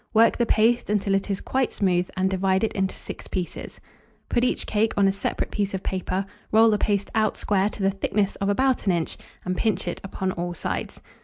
Work the paste until it is quite smooth, and divide it into six pieces. Put each cake on a separate piece of paper, roll the paste out square to the thickness of about an inch, and pinch it upon all sides.